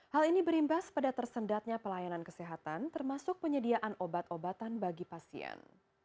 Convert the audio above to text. hal ini berimbas pada tersendatnya pelayanan kesehatan termasuk penyediaan obat obatan bagi pasien